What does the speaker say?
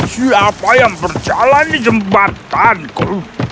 siapa yang berjalan di jembatanku